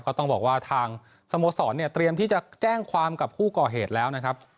ก็ต้องบอกว่าทางสโมสรเนี่ยเตรียมที่จะแจ้งความกับผู้ก่อเหตุแล้วนะครับ